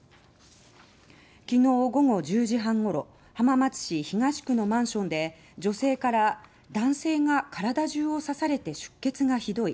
きのう午後１０時半ごろ浜松市東区のマンションで女性から男性が体中を刺されて出血がひどい。